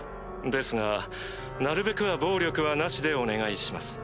ですがなるべくは暴力はなしでお願いします。